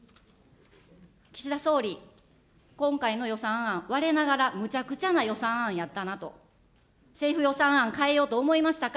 岸田総理、今回の予算案、われながらむちゃくちゃな予算案やったなと、政府予算案、変えようと思いましたか。